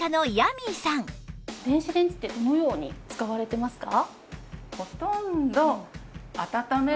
電子レンジってどのように使われてますか？